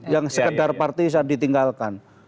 yang sekedar partisipan ditinggalkan